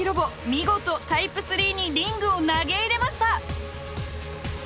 見事タイプ３にリングを投げ入れました！